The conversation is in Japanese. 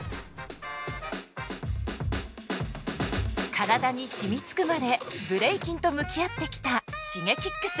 体に染みつくまでブレイキンと向き合ってきたＳｈｉｇｅｋｉｘ。